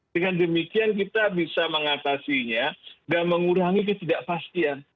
dengan demikian kita bisa mengatasinya dan mengurangi ketidakpastian